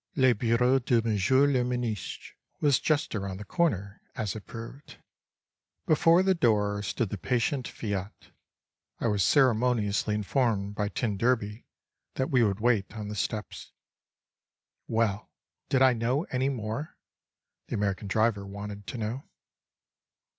Le bureau de Monsieur le Ministre was just around the corner, as it proved. Before the door stood the patient F.I.A.T. I was ceremoniously informed by t d that we would wait on the steps. Well! Did I know any more?—the American driver wanted to know.